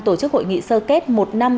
tổ chức hội nghị sơ kết một năm